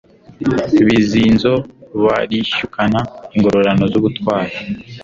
Bizinzo barishyukana Ingororano z'ubutwari